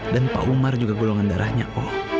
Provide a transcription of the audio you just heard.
dan pak umar juga golongan darahnya o